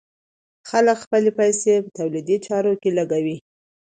خلک خپلې پيسې په تولیدي چارو کې لګوي.